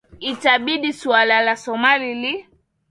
itabidi suala la somalia li